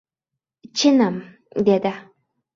— Chinim, — dedi.